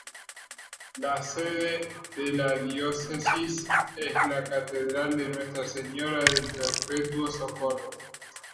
La sede de la Diócesis es la Catedral de Nuestra Señora del Perpetuo Socorro.